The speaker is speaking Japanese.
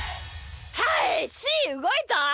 はいしーうごいた。